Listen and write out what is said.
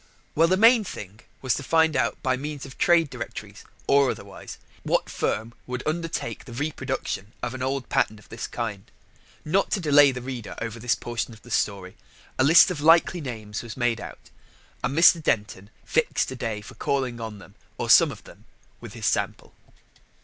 Well, the main thing was to find out by means of trade directories, or otherwise, what firm would undertake the reproduction of an old pattern of this kind. Not to delay the reader over this portion of the story, a list of likely names was made out, and Mr. Denton fixed a day for calling on them, or some of them, with his sample.